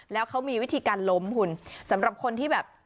แล้วเขามีวิธีการล้มคุณสำหรับคนที่แบบ